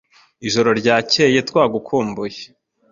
Ijoro ryakeye twagukumbuye.